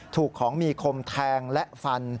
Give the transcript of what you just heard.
ถูกของมีคมแทงและฟัน